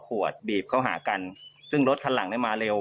ขวดบีบเข้าหากันซึ่งรถคันหลังเนี่ยมาเร็ว